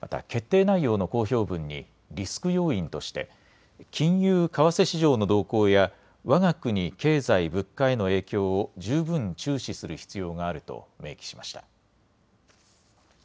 また決定内容の公表文にリスク要因として金融・為替市場の動向やわが国経済・物価への影響を十分、注視する必要があると明記しました。